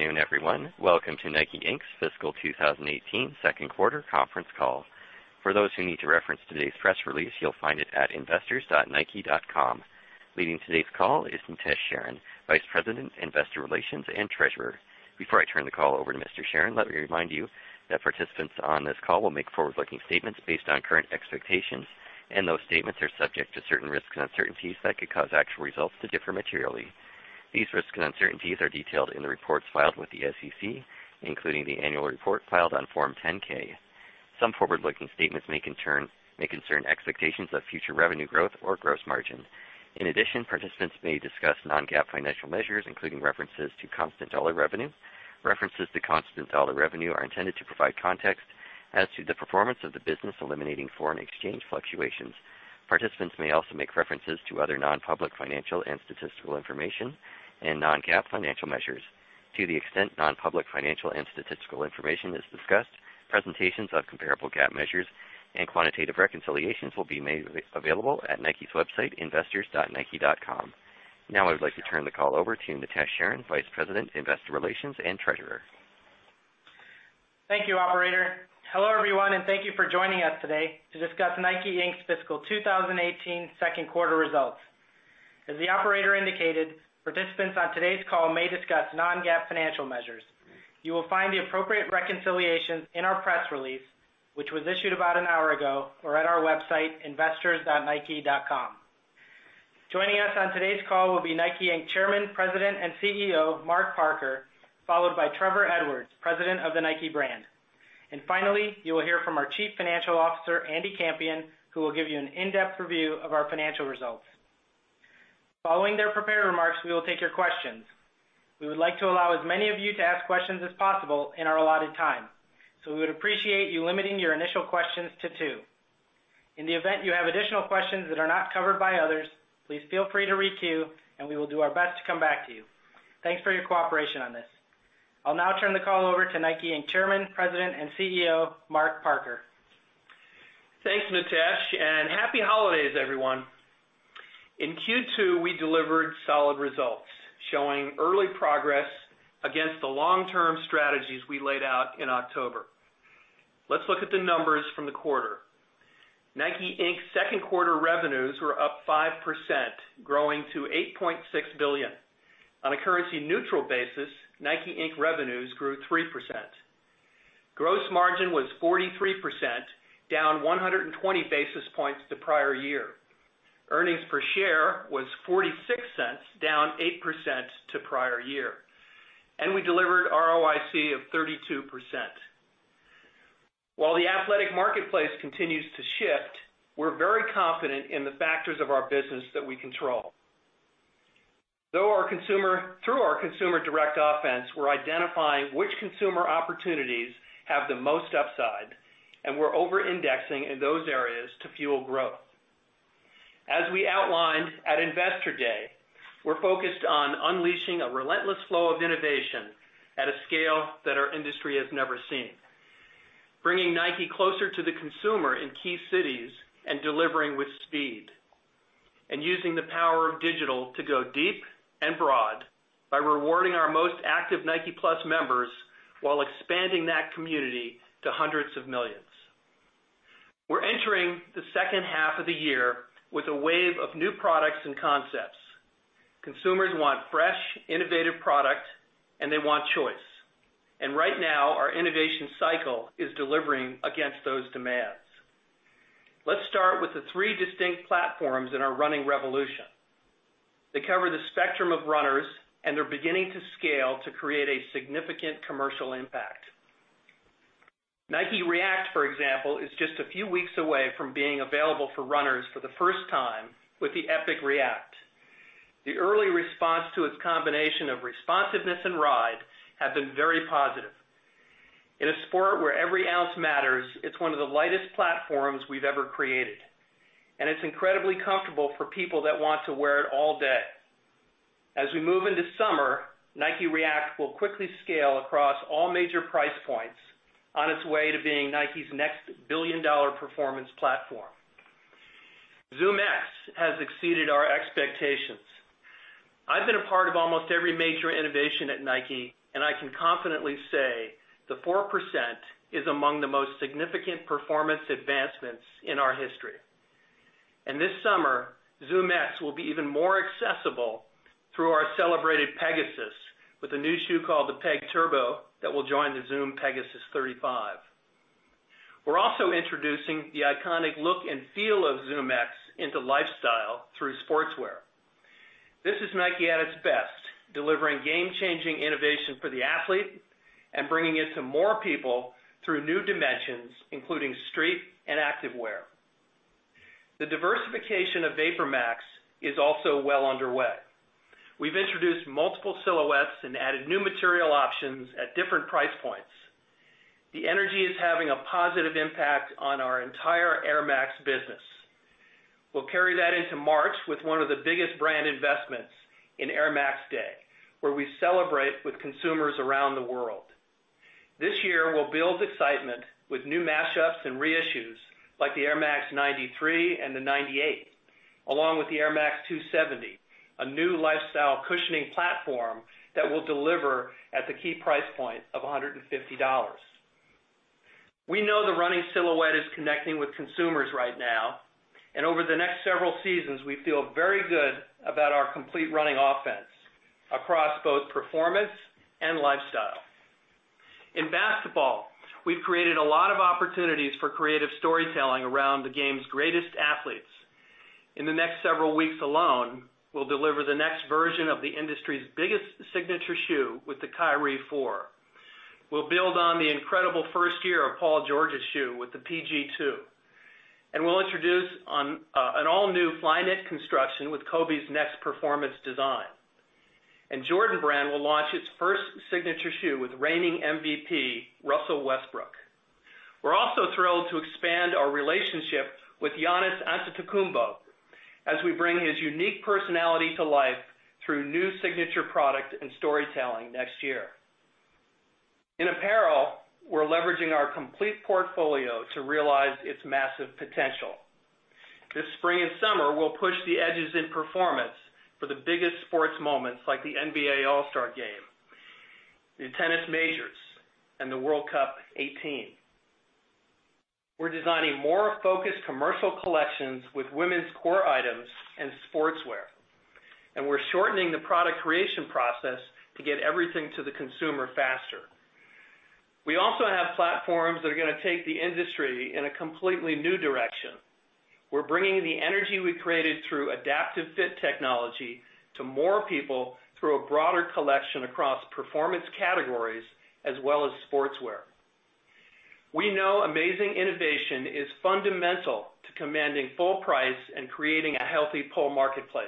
Good afternoon, everyone. Welcome to Nike, Inc.'s Fiscal 2018 second quarter conference call. For those who need to reference today's press release, you'll find it at investors.nike.com. Leading today's call is Nitesh Sharan, Vice President, Investor Relations and Treasurer. Before I turn the call over to Mr. Sharan, let me remind you that participants on this call will make forward-looking statements based on current expectations, and those statements are subject to certain risks and uncertainties that could cause actual results to differ materially. These risks and uncertainties are detailed in the reports filed with the SEC, including the annual report filed on Form 10-K. Some forward-looking statements may concern expectations of future revenue growth or gross margin. In addition, participants may discuss non-GAAP financial measures, including references to constant dollar revenue. References to constant dollar revenue are intended to provide context as to the performance of the business eliminating foreign exchange fluctuations. Participants may also make references to other non-public financial and statistical information and non-GAAP financial measures. To the extent non-public financial and statistical information is discussed, presentations of comparable GAAP measures and quantitative reconciliations will be made available at Nike's website, investors.nike.com. I would like to turn the call over to Nitesh Sharan, Vice President, Investor Relations and Treasurer. Thank you, operator. Hello, everyone, and thank you for joining us today to discuss Nike, Inc.'s fiscal 2018 second quarter results. As the operator indicated, participants on today's call may discuss non-GAAP financial measures. You will find the appropriate reconciliations in our press release, which was issued about an hour ago or at our website, investors.nike.com. Joining us on today's call will be Nike, Inc. Chairman, President, and CEO, Mark Parker, followed by Trevor Edwards, President of the Nike brand. Finally, you will hear from our Chief Financial Officer, Andy Campion, who will give you an in-depth review of our financial results. Following their prepared remarks, we will take your questions. We would like to allow as many of you to ask questions as possible in our allotted time. We would appreciate you limiting your initial questions to two. In the event you have additional questions that are not covered by others, please feel free to re-queue, and we will do our best to come back to you. Thanks for your cooperation on this. I'll now turn the call over to Nike, Inc. Chairman, President, and CEO, Mark Parker. Thanks, Nitesh. Happy holidays, everyone. In Q2, we delivered solid results, showing early progress against the long-term strategies we laid out in October. Let's look at the numbers from the quarter. Nike, Inc.'s second quarter revenues were up 5%, growing to $8.6 billion. On a currency neutral basis, Nike, Inc. revenues grew 3%. Gross margin was 43%, down 120 basis points to prior year. Earnings per share was $0.46, down 8% to prior year. We delivered ROIC of 32%. While the athletic marketplace continues to shift, we're very confident in the factors of our business that we control. Through our Consumer Direct Offense, we're identifying which consumer opportunities have the most upside, and we're over-indexing in those areas to fuel growth. As we outlined at Investor Day, we're focused on unleashing a relentless flow of innovation at a scale that our industry has never seen. Bringing Nike closer to the consumer in key cities and delivering with speed and using the power of digital to go deep and broad by rewarding our most active Nike+ members while expanding that community to 100's of millions. We're entering the second half of the year with a wave of new products and concepts. Consumers want fresh, innovative product, they want choice. Right now, our innovation cycle is delivering against those demands. Let's start with the three distinct platforms in our running revolution. They cover the spectrum of runners, and they're beginning to scale to create a significant commercial impact. Nike React, for example, is just a few weeks away from being available for runners for the first time with the Epic React. The early response to its combination of responsiveness and ride have been very positive. In a sport where every ounce matters, it's one of the lightest platforms we've ever created, and it's incredibly comfortable for people that want to wear it all day. As we move into summer, Nike React will quickly scale across all major price points on its way to being Nike's next billion-dollar performance platform. ZoomX has exceeded our expectations. I've been a part of almost every major innovation at Nike, and I can confidently say the 4% is among the most significant performance advancements in our history. This summer, ZoomX will be even more accessible through our celebrated Pegasus with a new shoe called the Peg Turbo that will join the Zoom Pegasus 35. We're also introducing the iconic look and feel of ZoomX into lifestyle through sportswear. This is Nike at its best, delivering game-changing innovation for the athlete and bringing it to more people through new dimensions, including street and active wear. The diversification of VaporMax is also well underway. We've introduced multiple silhouettes and added new material options at different price points. The energy is having a positive impact on our entire Air Max business. We'll carry that into March with one of the biggest brand investments in Air Max Day, where we celebrate with consumers around the world. This year, we'll build excitement with new mashups and reissues, like the Air Max 93 and the 98, along with the Air Max 270, a new lifestyle cushioning platform that will deliver at the key price point of $150. We know the running silhouette is connecting with consumers right now, and over the next several seasons, we feel very good about our complete running offense across both performance and lifestyle. In basketball, we've created a lot of opportunities for creative storytelling around the game's greatest athletes. In the next several weeks alone, we'll deliver the next version of the industry's biggest signature shoe with the Kyrie 4. We'll build on the incredible first year of Paul George's shoe with the PG2 and we'll introduce an all-new Flyknit construction with Kobe's next performance design. Jordan Brand will launch its first signature shoe with reigning MVP Russell Westbrook. We're also thrilled to expand our relationship with Giannis Antetokounmpo as we bring his unique personality to life through new signature product and storytelling next year. In apparel, we're leveraging our complete portfolio to realize its massive potential. This spring and summer, we'll push the edges in performance for the biggest sports moments like the NBA All-Star Game, the tennis majors, and the World Cup 2018. We're designing more focused commercial collections with women's core items and sportswear, and we're shortening the product creation process to get everything to the consumer faster. We also have platforms that are gonna take the industry in a completely new direction. We're bringing the energy we created through adaptive fit technology to more people through a broader collection across performance categories, as well as sportswear. We know amazing innovation is fundamental to commanding full price and creating a healthy pull marketplace.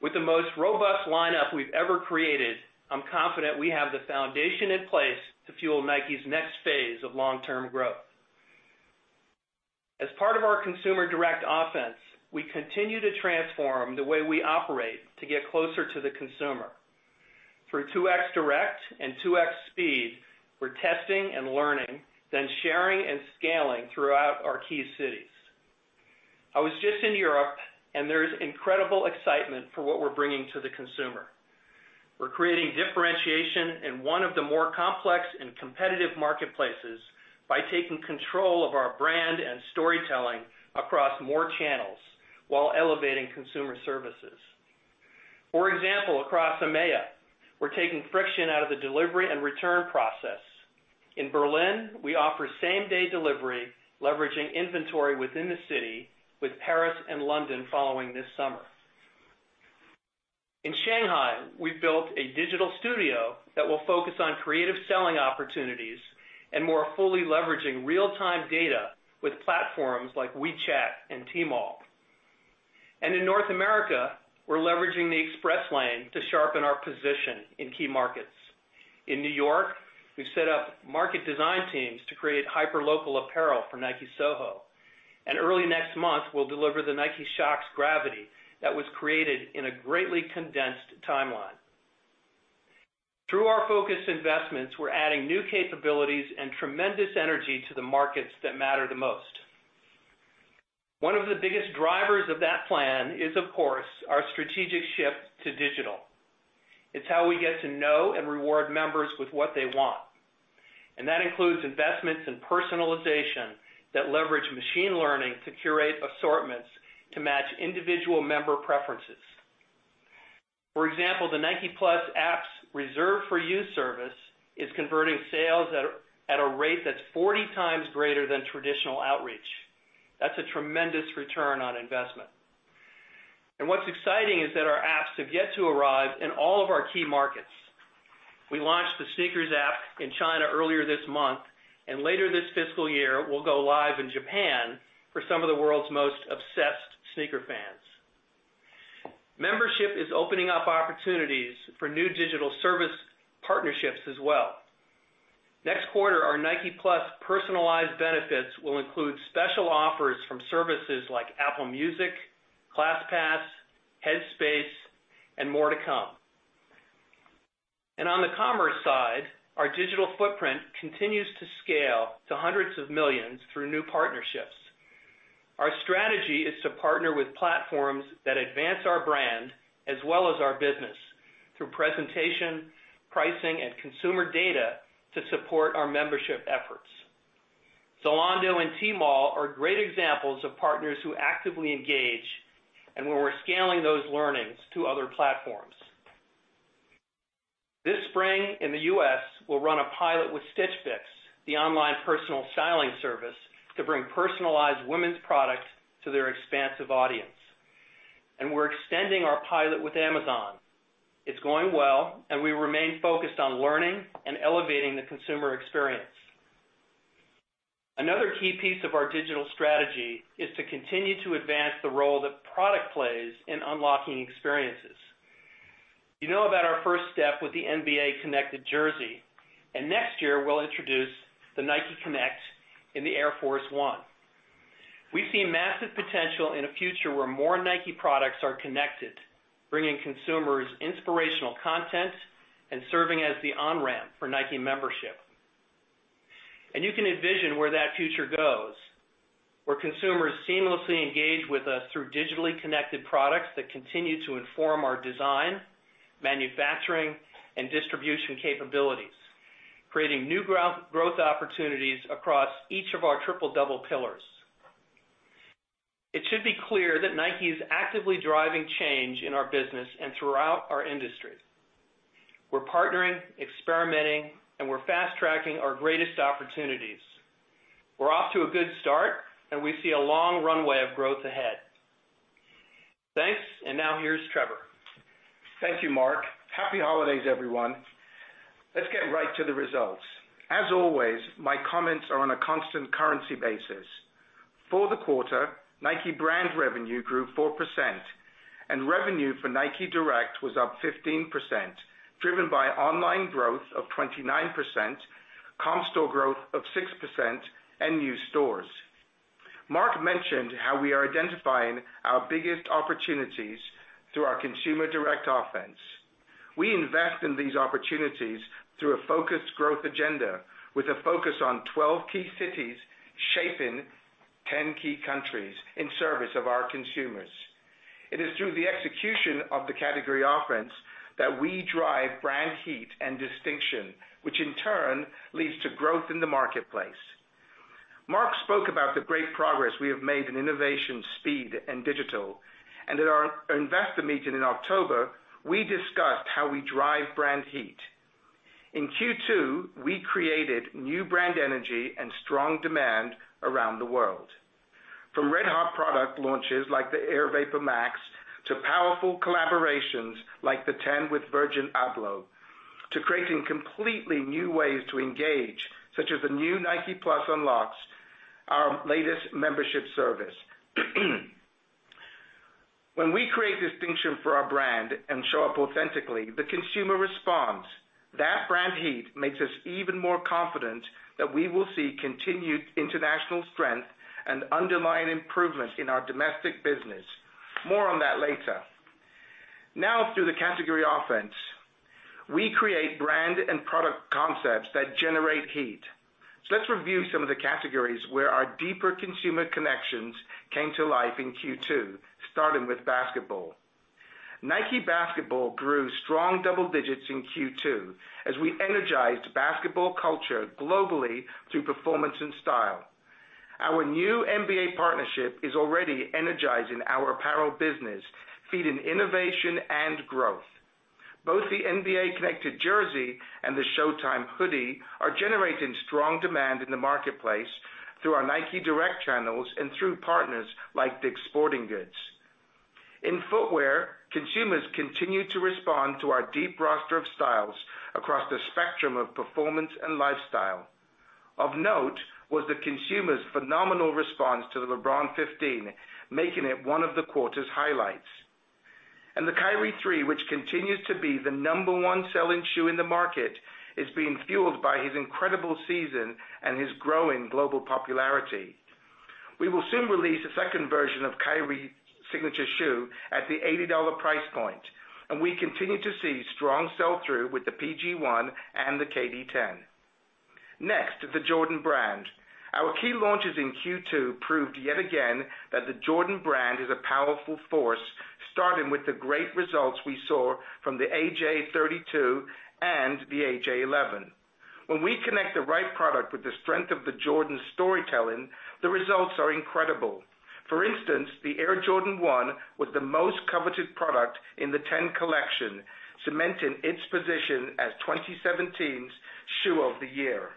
With the most robust lineup we've ever created, I'm confident we have the foundation in place to fuel Nike's next phase of long-term growth. As part of our Consumer Direct Offense, we continue to transform the way we operate to get closer to the consumer. Through 2X Direct and 2X Speed, we're testing and learning, then sharing and scaling throughout our key cities. There's incredible excitement for what we're bringing to the consumer. We're creating differentiation in one of the more complex and competitive marketplaces by taking control of our brand and storytelling across more channels while elevating consumer services. For example, across EMEA, we're taking friction out of the delivery and return process. In Berlin, we offer same-day delivery, leveraging inventory within the city, with Paris and London following this summer. In Shanghai, we've built a digital studio that will focus on creative selling opportunities and more fully leveraging real-time data with platforms like WeChat and Tmall. In North America, we're leveraging the Express Lane to sharpen our position in key markets. In New York, we've set up market design teams to create hyper-local apparel for Nike Soho. Early next month, we'll deliver the Nike Shox Gravity that was created in a greatly condensed timeline. Through our focused investments, we're adding new capabilities and tremendous energy to the markets that matter the most. One of the biggest drivers of that plan is, of course, our strategic shift to digital. It's how we get to know and reward members with what they want. That includes investments in personalization that leverage machine learning to curate assortments to match individual member preferences. For example, the Nike+ app's Reserved For You service is converting sales at a rate that's 40 times greater than traditional outreach. That's a tremendous return on investment. What's exciting is that our apps have yet to arrive in all of our key markets. We launched the SNKRS app in China earlier this month, and later this fiscal year, we'll go live in Japan for some of the world's most obsessed sneaker fans. Membership is opening up opportunities for new digital service partnerships as well. Next quarter, our Nike+ personalized benefits will include special offers from services like Apple Music, ClassPass, Headspace, and more to come. On the commerce side, our digital footprint continues to scale to 100's of millions through new partnerships. Our strategy is to partner with platforms that advance our brand as well as our business through presentation, pricing, and consumer data to support our membership efforts. Zalando and Tmall are great examples of partners who actively engage, and we're scaling those learnings to other platforms. This spring, in the U.S., we'll run a pilot with Stitch Fix, the online personal styling service, to bring personalized women's products to their expansive audience. We're extending our pilot with Amazon. It's going well, and we remain focused on learning and elevating the consumer experience. Another key piece of our digital strategy is to continue to advance the role that product plays in unlocking experiences. You know about our first step with the NBA Connected Jersey, and next year we'll introduce the NikeConnect in the Air Force 1. We see massive potential in a future where more Nike products are connected, bringing consumers inspirational content and serving as the on-ramp for Nike membership. You can envision where that future goes, where consumers seamlessly engage with us through digitally connected products that continue to inform our design, manufacturing, and distribution capabilities, creating new growth opportunities across each of our Triple Double pillars. It should be clear that Nike is actively driving change in our business and throughout our industry. We're partnering, experimenting, and we're fast-tracking our greatest opportunities. We're off to a good start, and we see a long runway of growth ahead. Thanks. Now here's Trevor. Thank you, Mark. Happy holidays, everyone. Let's get right to the results. As always, my comments are on a constant currency basis. For the quarter, Nike brand revenue grew 4% and revenue for Nike Direct was up 15%, driven by online growth of 29%, comp store growth of 6%, and new stores. Mark mentioned how we are identifying our biggest opportunities through our Consumer Direct Offense. We invest in these opportunities through a focused growth agenda with a focus on 12 key cities shaping, 10 key countries in service of our consumers. It is through the execution of the category offense that we drive brand heat and distinction, which in turn leads to growth in the marketplace. Mark spoke about the great progress we have made in innovation, speed, and digital. At our Investor Day in October, we discussed how we drive brand heat. In Q2, we created new brand energy and strong demand around the world. From red-hot product launches like the Air VaporMax to powerful collaborations like The Ten with Virgil Abloh, to creating completely new ways to engage, such as the new Nike+ Unlocks, our latest membership service. When we create distinction for our brand and show up authentically, the consumer responds. That brand heat makes us even more confident that we will see continued international strength and underlying improvements in our domestic business. More on that later. Through the category offense. We create brand and product concepts that generate heat. Let's review some of the categories where our deeper consumer connections came to life in Q2, starting with basketball. Nike Basketball grew strong double digits in Q2 as we energized basketball culture globally through performance and style. Our new NBA partnership is already energizing our apparel business, feeding innovation and growth. Both the NBA Connected Jersey and the Showtime Hoodie are generating strong demand in the marketplace through our Nike Direct channels and through partners like Dick's Sporting Goods. In footwear, consumers continue to respond to our deep roster of styles across the spectrum of performance and lifestyle. Of note was the consumer's phenomenal response to the LeBron 15, making it one of the quarter's highlights. The Kyrie 3, which continues to be the number one selling shoe in the market, is being fueled by his incredible season and his growing global popularity. We will soon release a second version of Kyrie signature shoe at the $80 price point, and we continue to see strong sell-through with the PG 1 and the KD10. Next, the Jordan Brand. Our key launches in Q2 proved yet again that the Jordan Brand is a powerful force, starting with the great results we saw from the AJ 32 and the AJ 11. When we connect the right product with the strength of the Jordan storytelling, the results are incredible. For instance, the Air Jordan 1 was the most coveted product in The Ten collection, cementing its position as 2017's shoe of the year.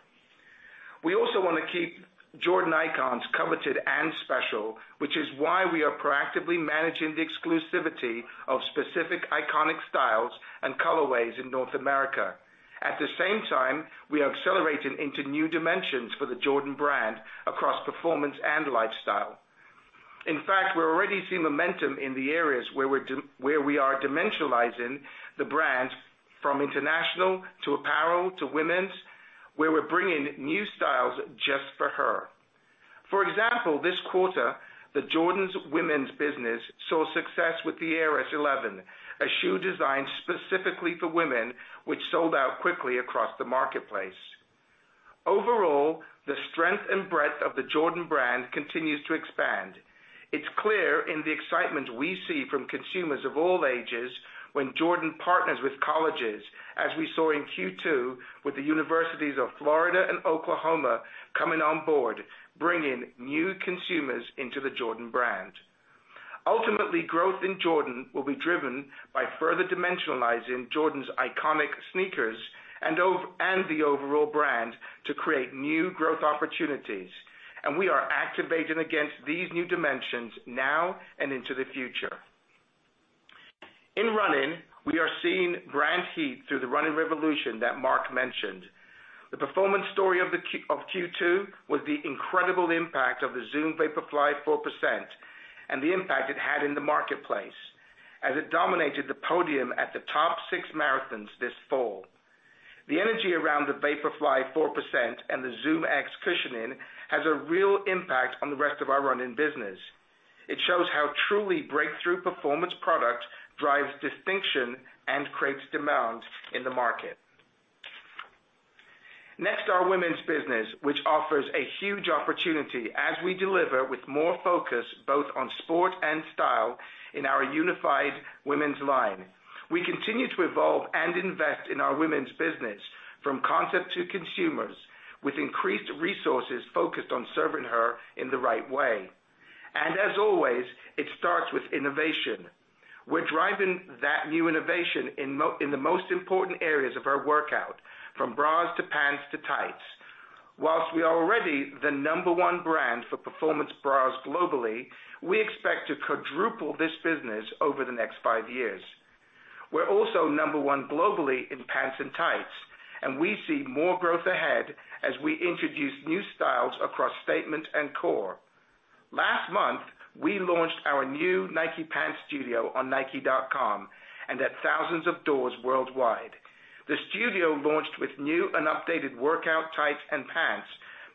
We also want to keep Jordan icons coveted and special, which is why we are proactively managing the exclusivity of specific iconic styles and colorways in North America. At the same time, we are accelerating into new dimensions for the Jordan Brand across performance and lifestyle. In fact, we're already seeing momentum in the areas where we are dimensionalizing the brand from international to apparel to women's, where we're bringing new styles just for her. This quarter, the Jordan's women's business saw success with the Air Jordan 11, a shoe designed specifically for women, which sold out quickly across the marketplace. The strength and breadth of the Jordan Brand continues to expand. It's clear in the excitement we see from consumers of all ages when Jordan partners with colleges, as we saw in Q2 with the University of Florida and University of Oklahoma coming on board, bringing new consumers into the Jordan Brand. Growth in Jordan will be driven by further dimensionalizing Jordan's iconic sneakers and the overall Brand to create new growth opportunities. We are activating against these new dimensions now and into the future. In running, we are seeing brand heat through the running revolution that Mark mentioned. The performance story of Q2 was the incredible impact of the Zoom Vaporfly 4% and the impact it had in the marketplace, as it dominated the podium at the top six marathons this fall. The energy around the Vaporfly 4% and the ZoomX cushioning has a real impact on the rest of our running business. It shows how truly breakthrough performance product drives distinction and creates demand in the market. Next, our women's business, which offers a huge opportunity as we deliver with more focus, both on sport and style, in our unified women's line. We continue to evolve and invest in our women's business from concept to consumers, with increased resources focused on serving her in the right way. As always, it starts with innovation. We're driving that new innovation in the most important areas of our workout, from bras to pants to tights. While we are already the number one brand for performance bras globally, we expect to quadruple this business over the next five years. We're also number one globally in pants and tights, we see more growth ahead as we introduce new styles across statement and core. Last month, we launched our new Nike Pant Studio on nike.com and at 1,000 of doors worldwide. The studio launched with new and updated workout tights and pants,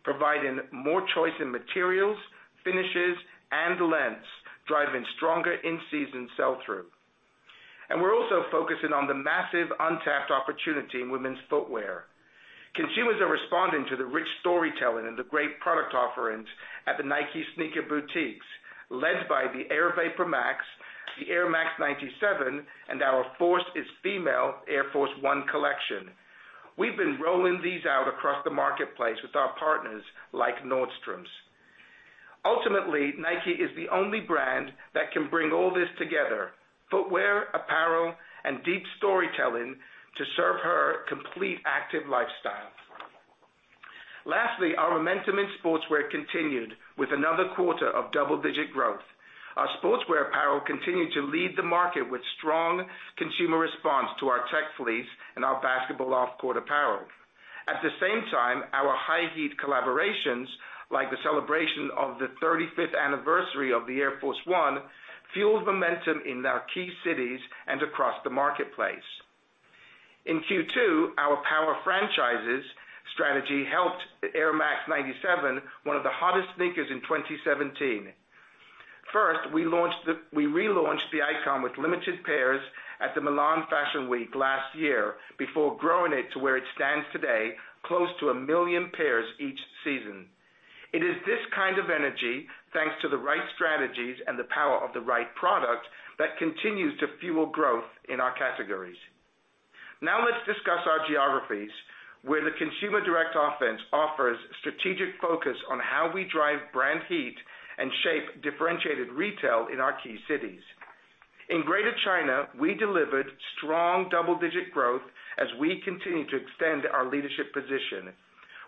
providing more choice in materials, finishes, and lengths, driving stronger in-season sell-through. We're also focusing on the massive untapped opportunity in women's footwear. Consumers are responding to the rich storytelling and the great product offerings at the Nike sneaker boutiques, led by the Air VaporMax, the Air Max 97, and our Force Is Female Air Force 1 collection. We've been rolling these out across the marketplace with our partners like Nordstrom. Ultimately, Nike is the only brand that can bring all this together, footwear, apparel, and deep storytelling to serve her complete active lifestyle. Lastly, our momentum in sportswear continued with another quarter of double-digit growth. Our sportswear apparel continued to lead the market with strong consumer response to our Tech Fleece and our basketball off-court apparel. At the same time, our high heat collaborations, like the celebration of the 35th anniversary of the Air Force 1, fueled momentum in our key cities and across the marketplace. In Q2, our power franchises strategy helped Air Max 97, one of the hottest sneakers in 2017. First, we relaunched the icon with limited pairs at the Milan Fashion Week last year before growing it to where it stands today, close to 1 million pairs each season. It is this kind of energy, thanks to the right strategies and the power of the right product, that continues to fuel growth in our categories. Now let's discuss our geographies, where the Consumer Direct Offense offers strategic focus on how we drive brand heat and shape differentiated retail in our key cities. In Greater China, we delivered strong double-digit growth as we continue to extend our leadership position.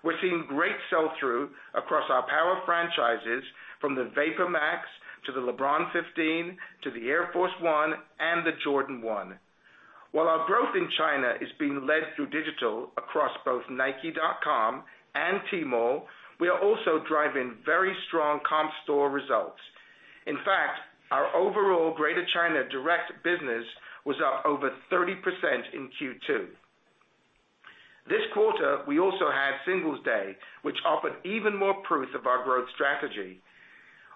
We're seeing great sell-through across our power franchises from the VaporMax to the LeBron 15 to the Air Force 1 and the Air Jordan 1. While our growth in China is being led through digital across both nike.com and Tmall, we are also driving very strong comp store results. In fact, our overall Greater China direct business was up over 30% in Q2. This quarter, we also had Singles' Day, which offered even more proof of our growth strategy.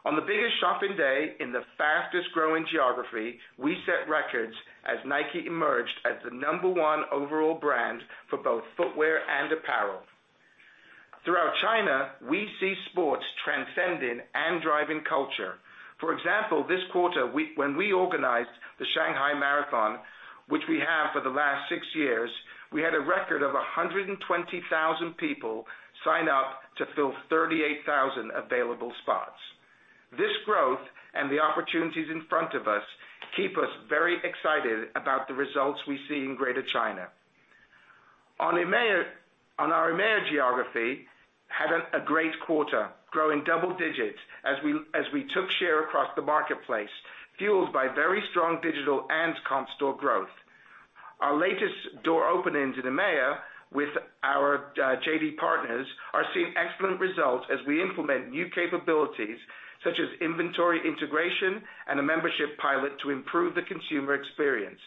On the biggest shopping day in the fastest-growing geography, we set records as Nike emerged as the number one overall brand for both footwear and apparel. Throughout China, we see sports transcending and driving culture. For example, this quarter, we, when we organized the Shanghai Marathon, which we have for the last six years, we had a record of 120,000 people sign up to fill 38,000 available spots. This growth and the opportunities in front of us keep us very excited about the results we see in Greater China. On our EMEA geography, had a great quarter, growing double digits as we took share across the marketplace, fueled by very strong digital and comp store growth. Our latest door openings in EMEA with our JD partners are seeing excellent results as we implement new capabilities such as inventory integration and a membership pilot to improve the consumer experience.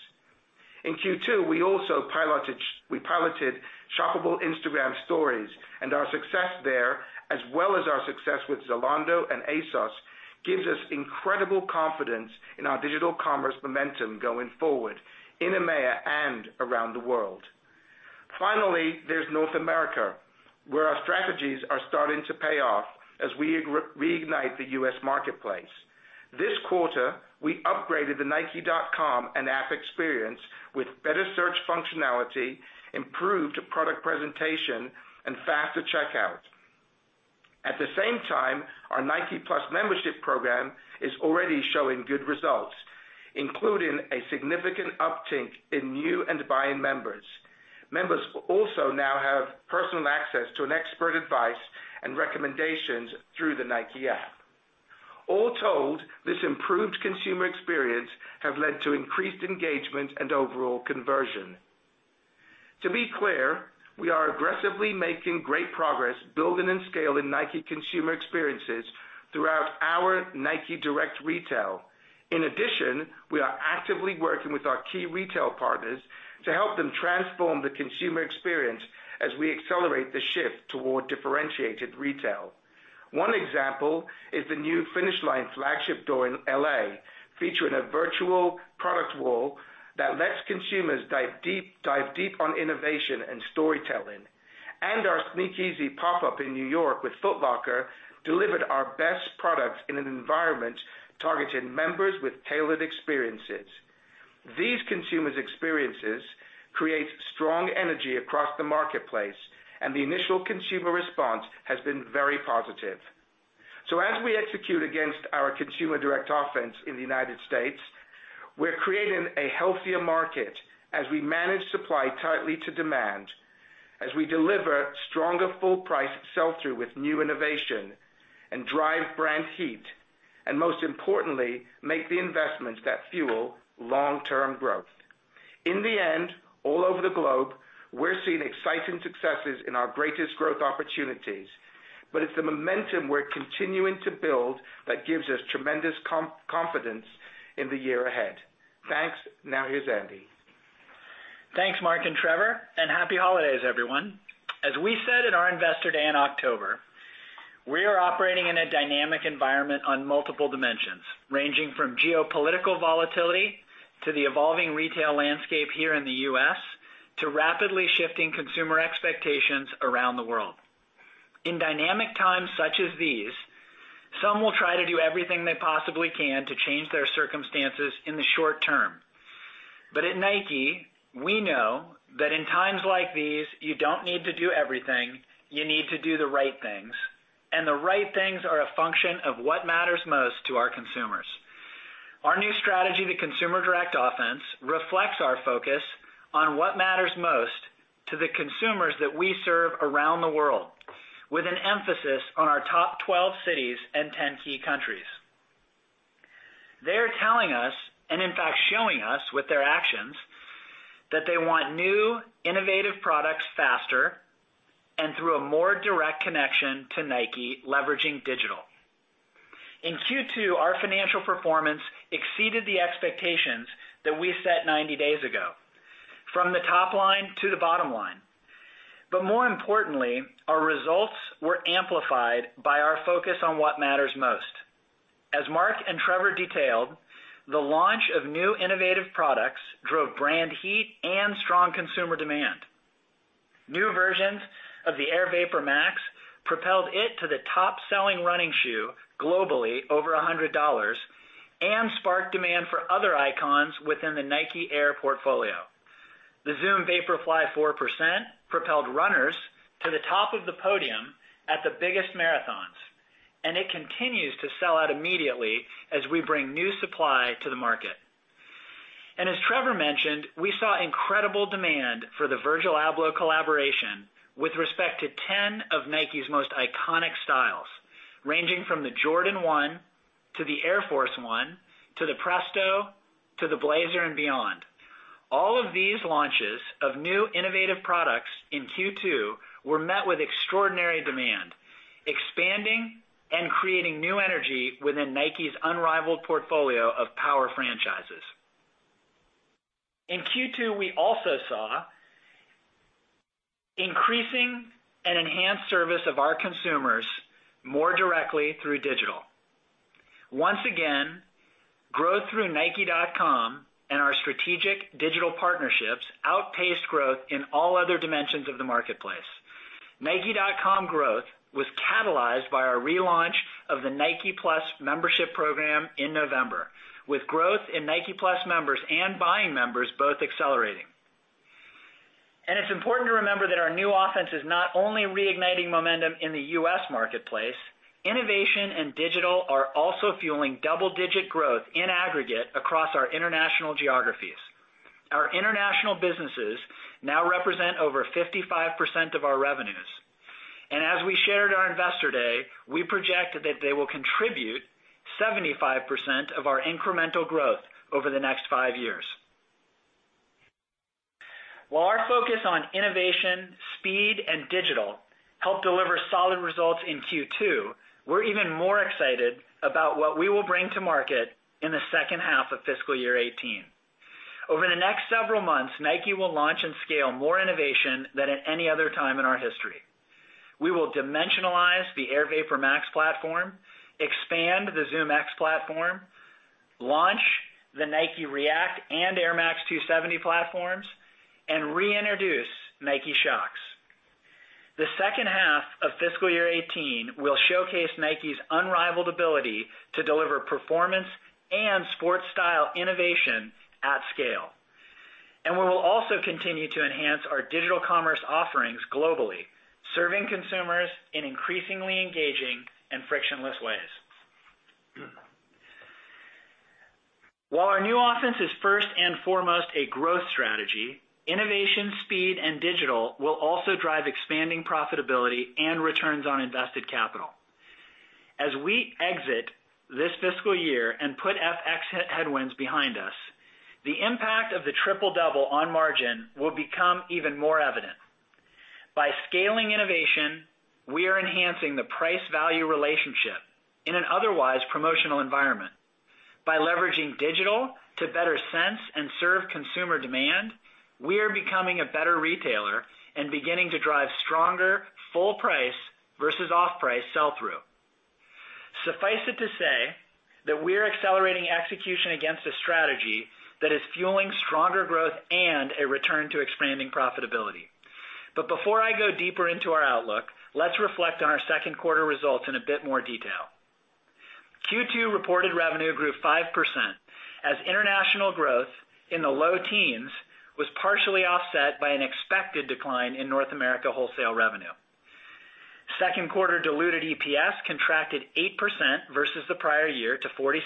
In Q2, we also piloted shoppable Instagram stories, and our success there, as well as our success with Zalando and ASOS, gives us incredible confidence in our digital commerce momentum going forward in EMEA and around the world. Finally, there's North America, where our strategies are starting to pay off as we reignite the U.S. marketplace. This quarter, we upgraded the nike.com and app experience with better search functionality, improved product presentation, and faster checkout. At the same time, our Nike+ membership program is already showing good results, including a significant uptick in new and buying members. Members also now have personal access to an expert advice and recommendations through the Nike app. All told, this improved consumer experience have led to increased engagement and overall conversion. To be clear, we are aggressively making great progress building and scaling Nike consumer experiences throughout our Nike Direct retail. We are actively working with our key retail partners to help them transform the consumer experience as we accelerate the shift toward differentiated retail. One example is the new Finish Line flagship store in L.A., featuring a virtual product wall that lets consumers dive deep on innovation and storytelling. Our Sneakeasy pop-up in New York with Foot Locker delivered our best products in an environment targeted members with tailored experiences. These consumers experiences create strong energy across the marketplace, and the initial consumer response has been very positive. As we execute against our Consumer Direct Offense in the U.S., we're creating a healthier market as we manage supply tightly to demand, as we deliver stronger full price sell-through with new innovation and drive brand heat, and most importantly, make the investments that fuel long-term growth. In the end, all over the globe, we're seeing exciting successes in our greatest growth opportunities. It's the momentum we're continuing to build that gives us tremendous confidence in the year ahead. Thanks. Now here's Andy. Thanks, Mark and Trevor, and happy holidays, everyone. As we said in our Investor Day in October, we are operating in a dynamic environment on multiple dimensions, ranging from geopolitical volatility to the evolving retail landscape here in the U.S., to rapidly shifting consumer expectations around the world. In dynamic times such as these, some will try to do everything they possibly can to change their circumstances in the short term. At NIKE, we know that in times like these, you don't need to do everything, you need to do the right things, and the right things are a function of what matters most to our consumers. Our new strategy, the Consumer Direct Offense, reflects our focus on what matters most to the consumers that we serve around the world with an emphasis on our top 12 cities and 10 key countries. They're telling us, and in fact, showing us with their actions, that they want new innovative products faster and through a more direct connection to Nike, leveraging digital. In Q2, our financial performance exceeded the expectations that we set 90 days ago from the top line to the bottom line. More importantly, our results were amplified by our focus on what matters most. As Mark and Trevor detailed, the launch of new innovative products drove brand heat and strong consumer demand. New versions of the Air VaporMax propelled it to the top-selling running shoe globally over $100 and sparked demand for other icons within the Nike Air portfolio. The Zoom Vaporfly 4% propelled runners to the top of the podium at the biggest marathons, and it continues to sell out immediately as we bring new supply to the market. As Trevor mentioned, we saw incredible demand for the Virgil Abloh collaboration with respect to 10 of Nike's most iconic styles, ranging from the Jordan 1 to the Air Force 1, to the Presto, to the Blazer and beyond. All of these launches of new innovative products in Q2 were met with extraordinary demand, expanding and creating new energy within Nike's unrivaled portfolio of power franchises. In Q2, we also saw increasing and enhanced service of our consumers more directly through digital. Once again, growth through nike.com and our strategic digital partnerships outpaced growth in all other dimensions of the marketplace. nike.com growth was catalyzed by our relaunch of the Nike+ membership program in November, with growth in Nike+ members and buying members both accelerating. It's important to remember that our new offense is not only reigniting momentum in the U.S. marketplace, innovation and digital are also fueling double-digit growth in aggregate across our international geographies. Our international businesses now represent over 55% of our revenues. As we shared our Investor Day, we project that they will contribute 75% of our incremental growth over the next five years. While our focus on innovation, speed, and digital help deliver solid results in Q2, we're even more excited about what we will bring to market in the second half of fiscal year 2018. Over the next several months, Nike will launch and scale more innovation than at any other time in our history. We will dimensionalize the Air VaporMax platform, expand the ZoomX platform, launch the Nike React and Air Max 270 platforms, and reintroduce Nike Shox. The second half of fiscal year 2018 will showcase Nike's unrivaled ability to deliver performance and sport style innovation at scale. We will also continue to enhance our digital commerce offerings globally, serving consumers in increasingly engaging and frictionless ways. While our Consumer Direct Offense is first and foremost a growth strategy, innovation, speed, and digital will also drive expanding profitability and returns on invested capital. As we exit this fiscal year and put FX headwinds behind us, the impact of the Triple Double on margin will become even more evident. By scaling innovation, we are enhancing the price value relationship in an otherwise promotional environment. By leveraging digital to better sense and serve consumer demand, we are becoming a better retailer and beginning to drive stronger full price versus off-price sell-through. Suffice it to say, that we're accelerating execution against a strategy that is fueling stronger growth and a return to expanding profitability. Before I go deeper into our outlook, let's reflect on our second quarter results in a bit more detail. Q2 reported revenue grew 5%, as international growth in the low teens was partially offset by an expected decline in North America wholesale revenue. Second quarter diluted EPS contracted 8% versus the prior year to $0.46,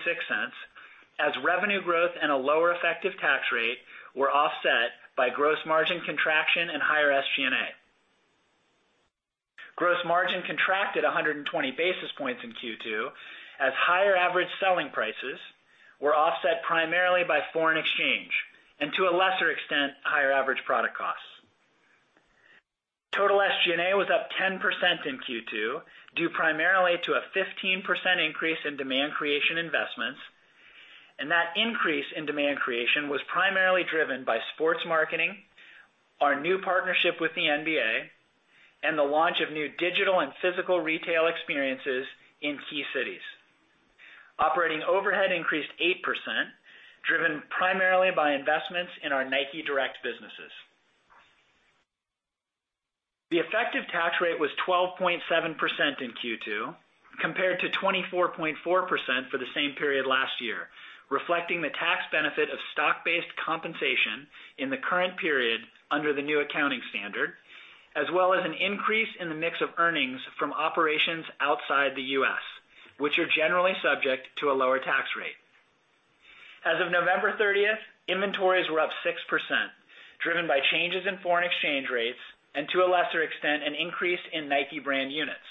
as revenue growth and a lower effective tax rate were offset by gross margin contraction and higher SG&A. Gross margin contracted 120 basis points in Q2, as higher average selling prices were offset primarily by foreign exchange and to a lesser extent, higher average product costs. Total SG&A was up 10% in Q2, due primarily to a 15% increase in demand creation investments. That increase in demand creation was primarily driven by sports marketing, our new partnership with the NBA, and the launch of new digital and physical retail experiences in key cities. Operating overhead increased 8%, driven primarily by investments in our Nike Direct businesses. The effective tax rate was 12.7% in Q2 compared to 24.4% for the same period last year, reflecting the tax benefit of stock-based compensation in the current period under the new accounting standard, as well as an increase in the mix of earnings from operations outside the U.S., which are generally subject to a lower tax rate. As of November 30th, inventories were up 6%, driven by changes in foreign exchange rates and to a lesser extent, an increase in Nike brand units.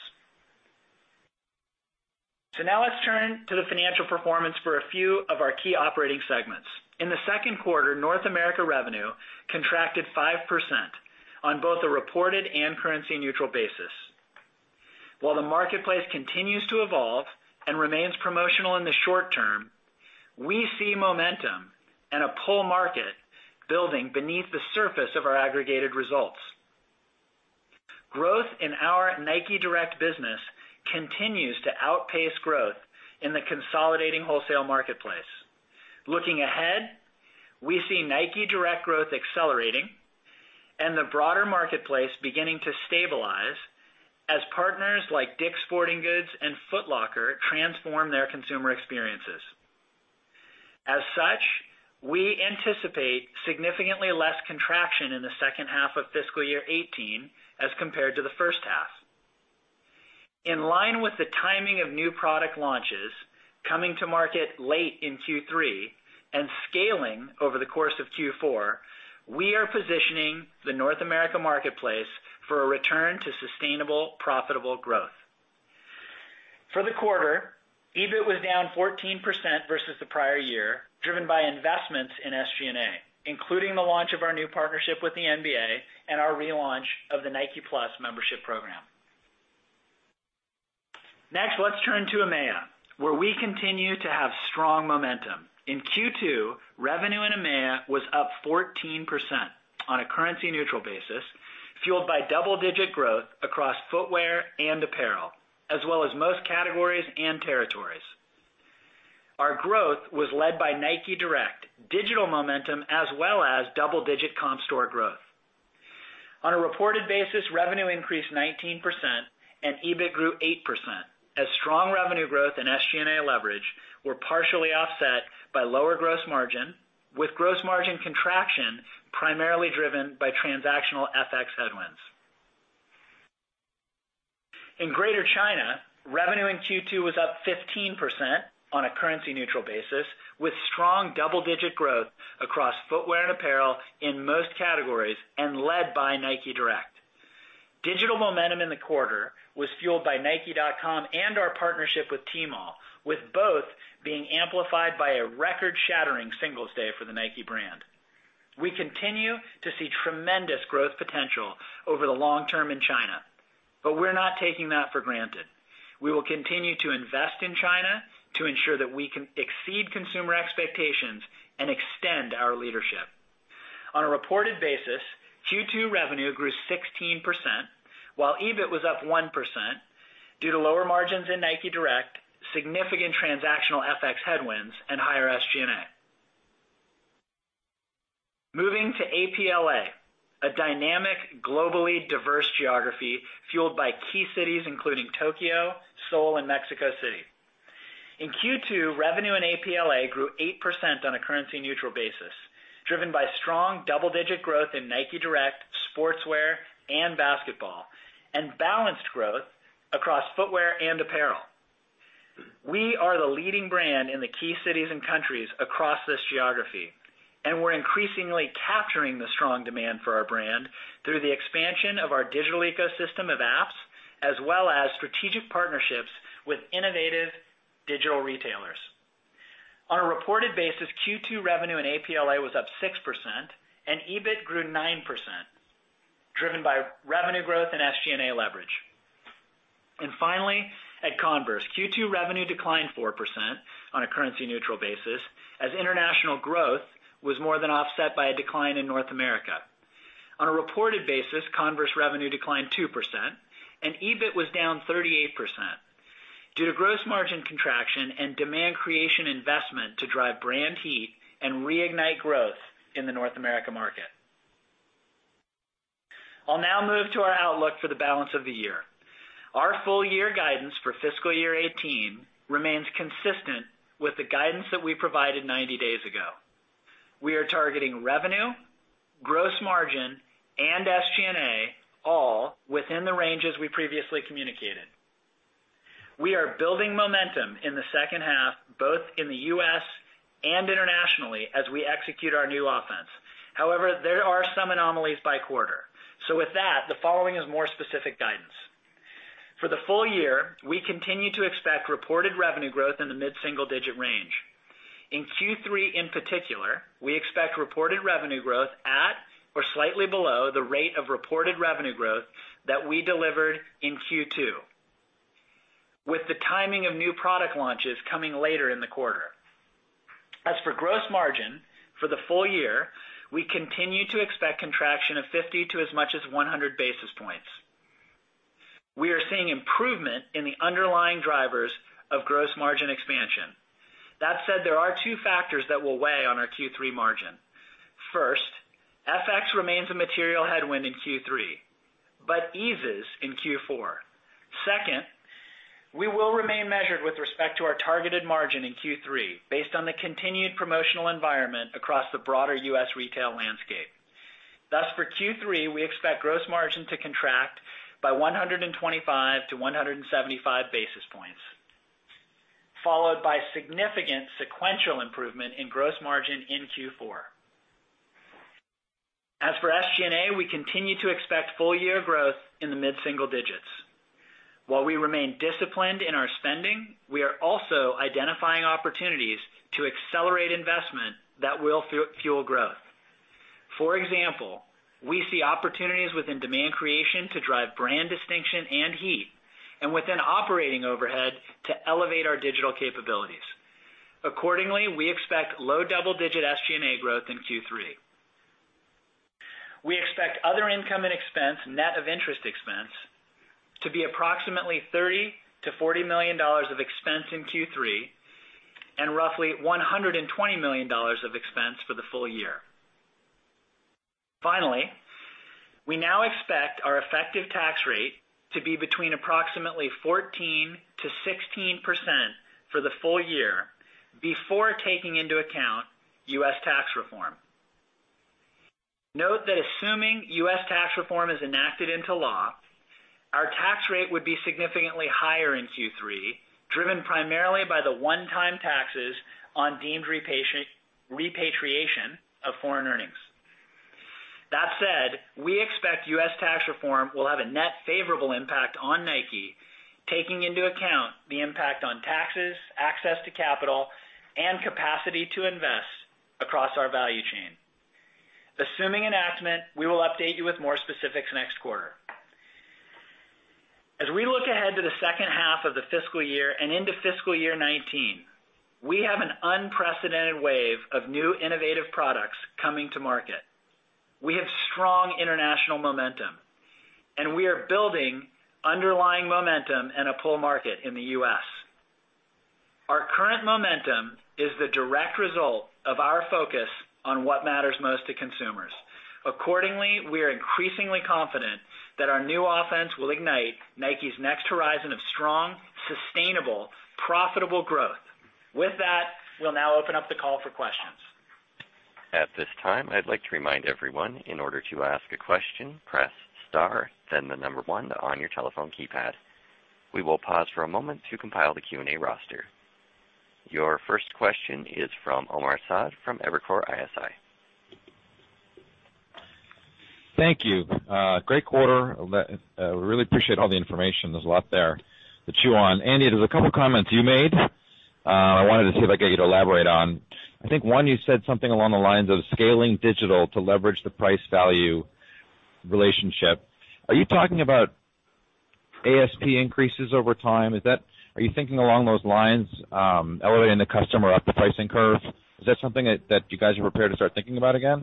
Now let's turn to the financial performance for a few of our key operating segments. In the second quarter, North America revenue contracted 5% on both a reported and currency neutral basis. While the marketplace continues to evolve and remains promotional in the short term, we see momentum and a pull market building beneath the surface of our aggregated results. Growth in our Nike Direct business continues to outpace growth in the consolidating wholesale marketplace. Looking ahead, we see Nike Direct growth accelerating and the broader marketplace beginning to stabilize as partners like Dick's Sporting Goods and Foot Locker transform their consumer experiences. As such, we anticipate significantly less contraction in the second half of fiscal year 2018 as compared to the first half. In line with the timing of new product launches coming to market late in Q3 and scaling over the course of Q4, we are positioning the North America marketplace for a return to sustainable, profitable growth. For the quarter, EBIT was down 14% versus the prior year, driven by investments in SG&A, including the launch of our new partnership with the NBA and our relaunch of the Nike+ membership program. Let's turn to EMEA, where we continue to have strong momentum. In Q2, revenue in EMEA was up 14% on a currency neutral basis, fueled by double-digit growth across footwear and apparel, as well as most categories and territories. Our growth was led by Nike Direct, digital momentum, as well as double-digit comp store growth. On a reported basis, revenue increased 19% and EBIT grew 8%, as strong revenue growth and SG&A leverage were partially offset by lower gross margin, with gross margin contraction primarily driven by transactional FX headwinds. In Greater China, revenue in Q2 was up 15% on a currency neutral basis, with strong double-digit growth across footwear and apparel in most categories and led by Nike Direct. Digital momentum in the quarter was fueled by nike.com and our partnership with Tmall, with both being amplified by a record-shattering Singles' Day for the Nike brand. We continue to see tremendous growth potential over the long term in China, but we're not taking that for granted. We will continue to invest in China to ensure that we can exceed consumer expectations and extend our leadership. On a reported basis, Q2 revenue grew 16%, while EBIT was up 1% due to lower margins in Nike Direct, significant transactional FX headwinds, and higher SG&A. Moving to APLA, a dynamic, globally diverse geography fueled by key cities including Tokyo, Seoul, and Mexico City. In Q2, revenue in APLA grew 8% on a currency neutral basis, driven by strong double-digit growth in Nike Direct, sportswear, and basketball and balanced growth across footwear and apparel. We are the leading brand in the key cities and countries across this geography, and we're increasingly capturing the strong demand for our brand through the expansion of our digital ecosystem of apps, as well as strategic partnerships with innovative digital retailers. On a reported basis, Q2 revenue in APLA was up 6%, and EBIT grew 9%, driven by revenue growth and SG&A leverage. Finally, at Converse, Q2 revenue declined 4% on a currency-neutral basis as international growth was more than offset by a decline in North America. On a reported basis, Converse revenue declined 2%, and EBIT was down 38% due to gross margin contraction and demand creation investment to drive brand heat and reignite growth in the North America market. I'll now move to our outlook for the balance of the year. Our full year guidance for fiscal year 2018 remains consistent with the guidance that we provided 90 days ago. We are targeting revenue, gross margin, and SG&A all within the ranges we previously communicated. We are building momentum in the second half, both in the U.S. and internationally as we execute our new offense. However, there are some anomalies by quarter. With that, the following is more specific guidance. For the full year, we continue to expect reported revenue growth in the mid-single-digit range. In Q3, in particular, we expect reported revenue growth at or slightly below the rate of reported revenue growth that we delivered in Q2, with the timing of new product launches coming later in the quarter. As for gross margin, for the full year, we continue to expect contraction of 50 to as much as 100 basis points. We are seeing improvement in the underlying drivers of gross margin expansion. That said, there are two factors that will weigh on our Q3 margin. First, FX remains a material headwind in Q3, but eases in Q4. Second, we will remain measured with respect to our targeted margin in Q3 based on the continued promotional environment across the broader U.S. retail landscape. For Q3, we expect gross margin to contract by 125-175 basis points, followed by significant sequential improvement in gross margin in Q4. For SG&A, we continue to expect full year growth in the mid-single digits. We remain disciplined in our spending, we are also identifying opportunities to accelerate investment that will fuel growth. For example, we see opportunities within demand creation to drive brand distinction and heat and within operating overhead to elevate our digital capabilities. We expect low double-digit SG&A growth in Q3. We expect other income and expense, net of interest expense, to be approximately $30 million-$40 million of expense in Q3 and roughly $120 million of expense for the full year. Finally, we now expect our effective tax rate to be between approximately 14%-16% for the full year before taking into account U.S. tax reform. Note that assuming U.S. tax reform is enacted into law, our tax rate would be significantly higher in Q3, driven primarily by the one-time taxes on deemed repatriation of foreign earnings. That said, we expect U.S. tax reform will have a net favorable impact on Nike, taking into account the impact on taxes, access to capital, and capacity to invest across our value chain. Assuming enactment, we will update you with more specifics next quarter. As we look ahead to the second half of the fiscal year and into fiscal year 2019, we have an unprecedented wave of new innovative products coming to market. We have strong international momentum, and we are building underlying momentum in a pull market in the U.S. Our current momentum is the direct result of our focus on what matters most to consumers. Accordingly, we are increasingly confident that our new offense will ignite Nike's next horizon of strong, sustainable, profitable growth. With that, we'll now open up the call for questions. At this time, I'd like to remind everyone, in order to ask a question, press star then the number one on your telephone keypad. We will pause for a moment to compile the Q&A roster. Your first question is from Omar Saad from Evercore ISI. Thank you. Great quarter. Really appreciate all the information. There's a lot there to chew on. Andy, there's a couple of comments you made, I wanted to see if I could get you to elaborate on. I think one, you said something along the lines of scaling digital to leverage the price-value relationship. Are you talking about ASP increases over time? Are you thinking along those lines, elevating the customer up the pricing curve? Is that something that you guys are prepared to start thinking about again?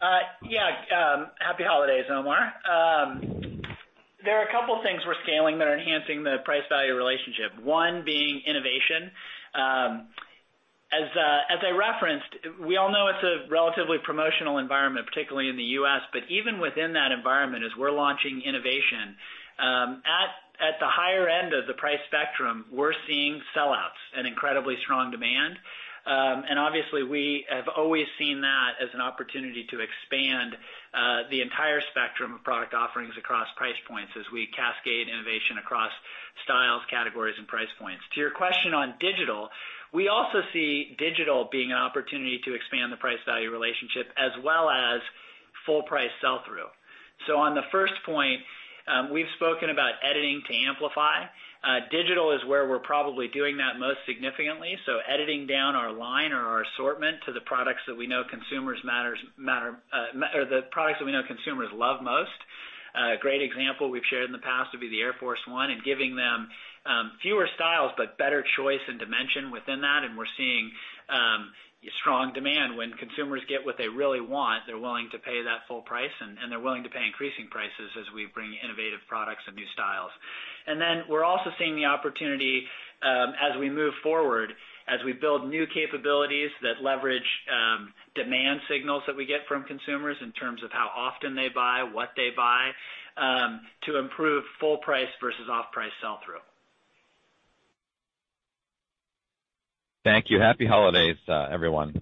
Happy holidays, Omar. There are a couple of things we're scaling that are enhancing the price-value relationship. One being innovation. As I referenced, we all know it's a relatively promotional environment, particularly in the U.S. Even within that environment, as we're launching innovation, The price spectrum, we're seeing sellouts and incredibly strong demand. Obviously we have always seen that as an opportunity to expand the entire spectrum of product offerings across price points as we cascade innovation across styles, categories, and price points. To your question on digital, we also see digital being an opportunity to expand the price value relationship as well as full price sell-through. On the first point, we've spoken about editing to amplify. Digital is where we're probably doing that most significantly, so editing down our line or assortment to the products that we know consumers love most. A great example we've shared in the past would be the Air Force 1 and giving them fewer styles but better choice and dimension within that, and we're seeing strong demand. When consumers get what they really want, they're willing to pay that full price and they're willing to pay increasing prices as we bring innovative products and new styles. We're also seeing the opportunity as we move forward, as we build new capabilities that leverage demand signals that we get from consumers in terms of how often they buy, what they buy, to improve full price versus off price sell-through. Thank you. Happy holidays, everyone.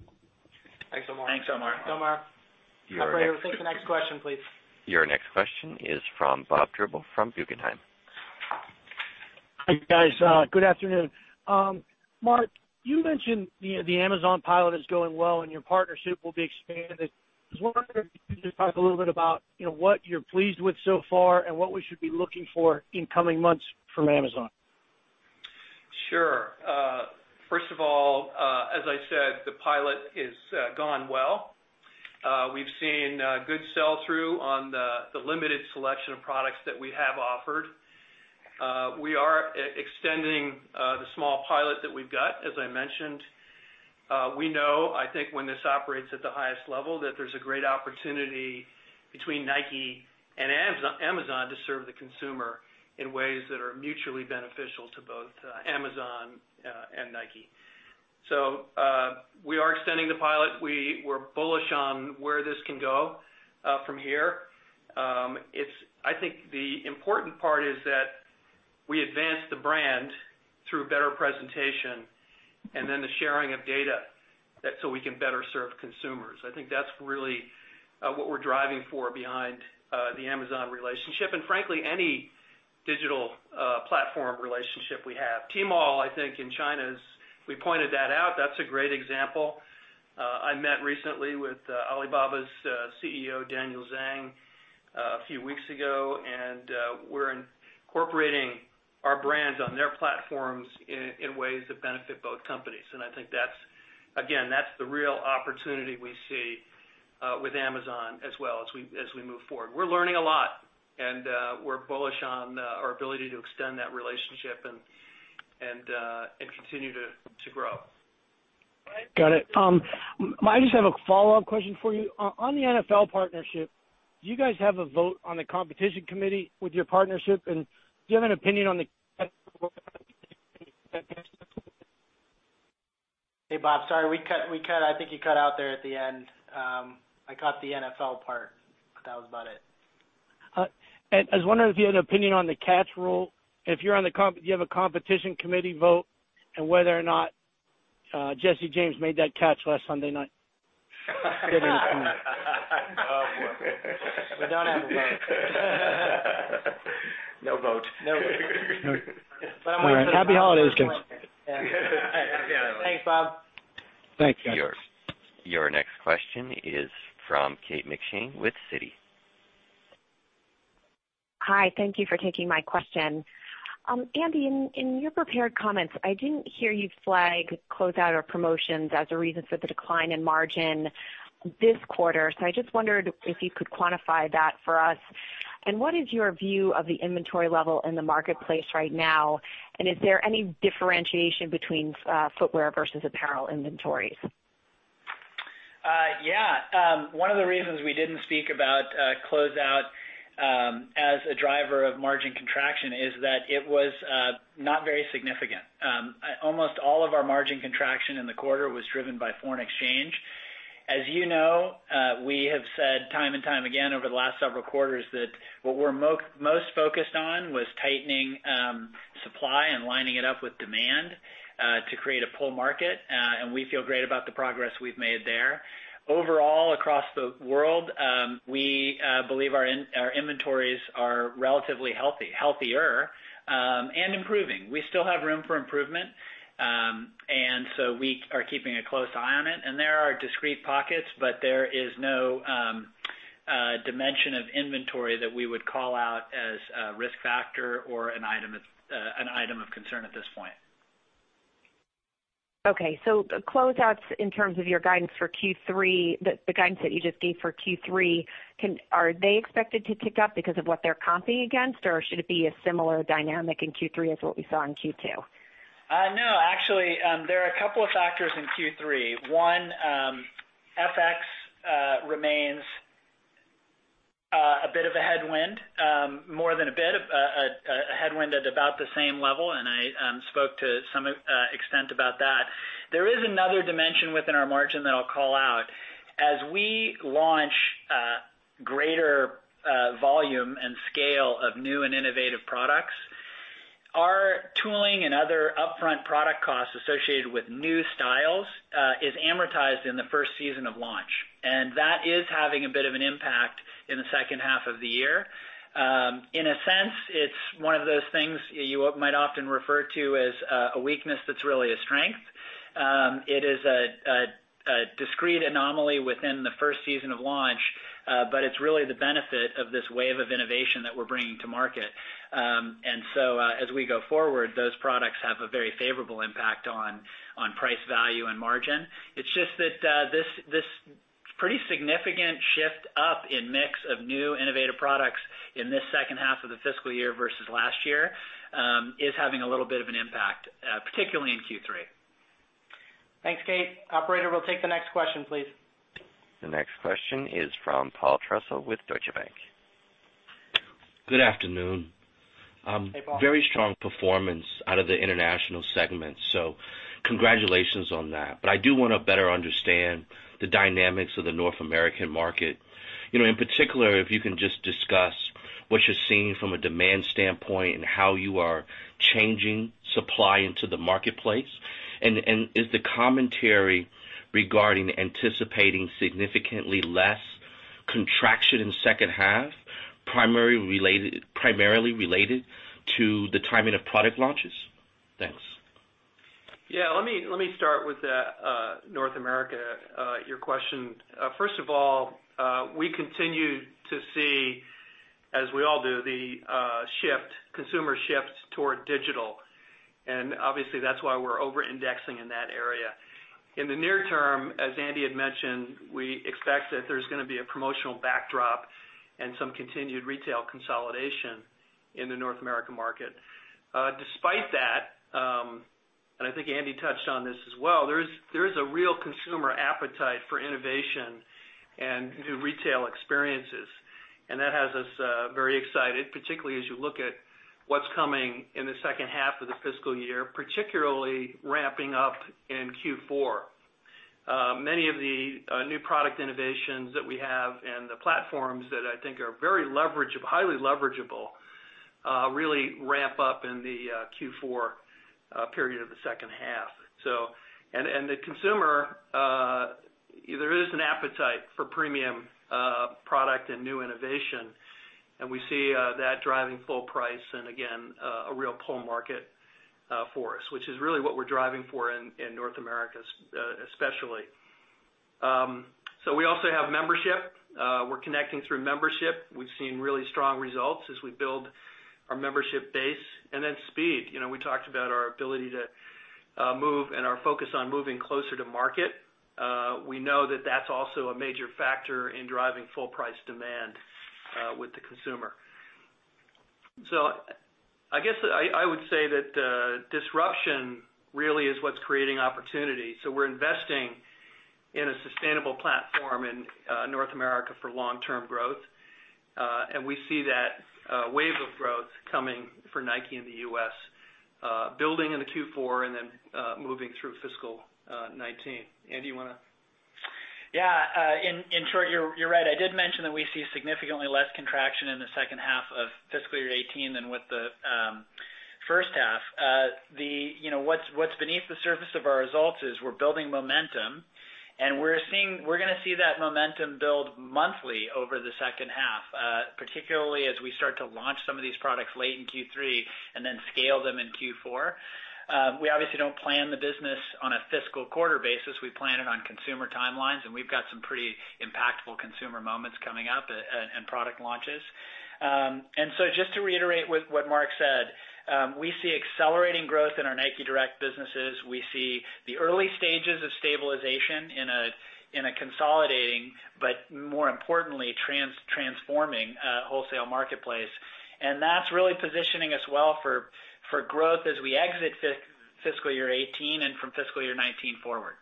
Thanks, Omar. Thanks, Omar. Thanks, Omar. Your next. Operator, take the next question, please. Your next question is from Robert Drbul from Guggenheim. Hi, guys. good afternoon. Mark, you mentioned the Amazon pilot is going well and your partnership will be expanded. I was wondering if you could just talk a little bit about, you know, what you're pleased with so far and what we should be looking for in coming months from Amazon. Sure. First of all, as I said, the pilot is gone well. We've seen good sell-through on the limited selection of products that we have offered. We are extending the small pilot that we've got, as I mentioned. We know, I think when this operates at the highest level, that there's a great opportunity between Nike and Amazon to serve the consumer in ways that are mutually beneficial to both Amazon and Nike. We are extending the pilot. We were bullish on where this can go from here. It's I think the important part is that we advance the brand through better presentation and then the sharing of data so we can better serve consumers. I think that's really what we're driving for behind the Amazon relationship and frankly, any digital platform relationship we have. Tmall, I think, in China, we pointed that out. That's a great example. I met recently with Alibaba's CEO Daniel Zhang a few weeks ago, and we're incorporating our brands on their platforms in ways that benefit both companies. I think that's again the real opportunity we see with Amazon as well as we move forward. We're learning a lot, and we're bullish on our ability to extend that relationship and continue to grow. Got it. I just have a follow-up question for you. On the NFL partnership, do you guys have a vote on the competition committee with your partnership? Do you have an opinion on the? Hey, Bob. Sorry, we cut. I think you cut out there at the end. I caught the NFL part, that was about it. I was wondering if you had an opinion on the catch rule. If you're on the competition committee, do you have a vote on whether or not Jesse James made that catch last Sunday night? Oh, boy. We don't have a vote. No vote. No vote. All right. Happy holidays, guys. Yeah. Thanks, Bob. Thanks, guys. Your next question is from Kate McShane with Citi. Hi, thank you for taking my question. Andy, in your prepared comments, I didn't hear you flag closeout or promotions as a reason for the decline in margin this quarter. I just wondered if you could quantify that for us. What is your view of the inventory level in the marketplace right now? Is there any differentiation between footwear versus apparel inventories? Yeah. One of the reasons we didn't speak about closeout as a driver of margin contraction is that it was not very significant. Almost all of our margin contraction in the quarter was driven by foreign exchange. As you know, we have said time and time again over the last several quarters that what we're most focused on was tightening supply and lining it up with demand to create a pull market. We feel great about the progress we've made there. Overall, across the world, we believe our inventories are relatively healthy, healthier, and improving. We still have room for improvement. We are keeping a close eye on it. There are discrete pockets, but there is no dimension of inventory that we would call out as a risk factor or an item of concern at this point. Okay. Closeouts in terms of your guidance for Q3, the guidance that you just gave for Q3, are they expected to tick up because of what they're comping against? Should it be a similar dynamic in Q3 as what we saw in Q2? No, actually, there are a couple of factors in Q3. One, FX remains a bit of a headwind, more than a bit of a headwind at about the same level, and I spoke to some extent about that. There is another dimension within our margin that I'll call out. As we launch greater volume and scale of new and innovative products. Our tooling and other upfront product costs associated with new styles is amortized in the first season of launch. That is having a bit of an impact in the second half of the year. In a sense, it's one of those things you might often refer to as a weakness that's really a strength. It is a, a discrete anomaly within the first season of launch, but it's really the benefit of this wave of innovation that we're bringing to market. As we go forward, those products have a very favorable impact on price value and margin. It's just that this pretty significant shift up in mix of new innovative products in this second half of the fiscal year versus last year, is having a little bit of an impact, particularly in Q3. Thanks, Kate. Operator, we'll take the next question, please. The next question is from Paul Trussell with Deutsche Bank. Good afternoon. Hey, Paul. Very strong performance out of the international segment, congratulations on that. I do wanna better understand the dynamics of the North American market. You know, in particular, if you can just discuss what you're seeing from a demand standpoint and how you are changing supply into the marketplace. Is the commentary regarding anticipating significantly less contraction in second half primarily related to the timing of product launches? Thanks. Let me start with that North America question. First of all, we continue to see, as we all do, the consumer shifts toward digital. Obviously, that's why we're over-indexing in that area. In the near term, as Andy had mentioned, we expect that there's gonna be a promotional backdrop and some continued retail consolidation in the North American market. Despite that, I think Andy touched on this as well, there is a real consumer appetite for innovation and new retail experiences. That has us very excited, particularly as you look at what's coming in the second half of the fiscal year, particularly ramping up in Q4. Many of the new product innovations that we have and the platforms that I think are very highly leverageable, really ramp up in the Q4 period of the second half. The consumer, there is an appetite for premium product and new innovation. We see that driving full price and again, a real pull market for us, which is really what we're driving for in North America especially. We also have membership. We're connecting through membership. We've seen really strong results as we build our membership base. Speed. You know, we talked about our ability to move and our focus on moving closer to market. We know that that's also a major factor in driving full price demand with the consumer. I guess I would say that disruption really is what's creating opportunity. We're investing in a sustainable platform in North America for long-term growth. We see that wave of growth coming for Nike in the U.S., building in the Q4 and then moving through fiscal 2019. Andy, you wanna Yeah, in short, you're right. I did mention that we see significantly less contraction in the second half of fiscal year 2018 than with the first half. The, you know, what's beneath the surface of our results is we're building momentum, and we're gonna see that momentum build monthly over the second half, particularly as we start to launch some of these products late in Q3 and then scale them in Q4. We obviously don't plan the business on a fiscal quarter basis. We plan it on consumer timelines, and product launches. Just to reiterate what Mark said, we see accelerating growth in our Nike Direct businesses. We see the early stages of stabilization in a consolidating, but more importantly, transforming wholesale marketplace. That's really positioning us well for growth as we exit fiscal year 2018 and from fiscal year 2019 forward.